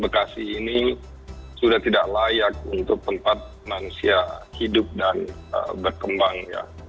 bekasi ini sudah tidak layak untuk tempat manusia hidup dan berkembang ya